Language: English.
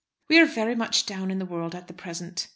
We are very much down in the world at the present.